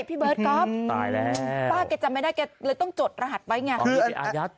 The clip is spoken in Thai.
พี่เบิร์ตก๊อฟตายแล้วป้าแกจำไม่ได้แกเลยต้องจดรหัสไว้ไง